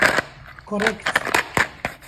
korekti